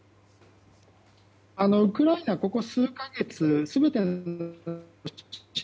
ウクライナはここ数か月。